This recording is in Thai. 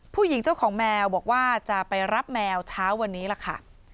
ผู้หญิงเจ้าของแมวบอกว่าจะไปรับแมวเช้าวันนี้ล่ะค่ะ